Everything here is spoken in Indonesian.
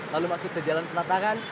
lalu masuk ke jalan kematangan